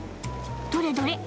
どれどれ？